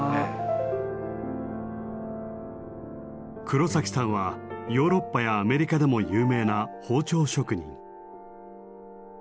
黒さんはヨーロッパやアメリカでも有名な包丁職人。